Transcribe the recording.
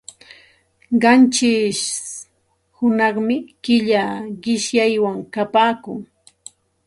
Qanchish hunaqmi killa qishyaywan kapaakun.